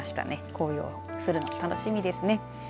紅葉するの楽しみですね。